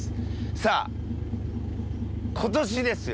さあ今年ですよ。